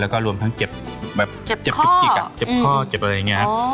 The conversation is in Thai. แล้วก็รวมทั้งเจ็บแบบเจ็บข้อเจ็บข้อเจ็บอะไรอย่างเงี้ยอ๋อ